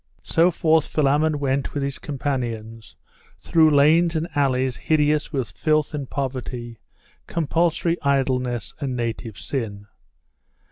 So forth Philammon went with his companions, through lanes and alleys hideous with filth and poverty, compulsory idleness and native sin.